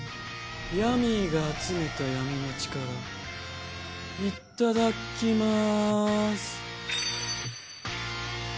ヤミーが集めた闇の力いっただきます。